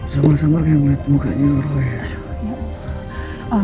sama sama kayak melihat mukanya ray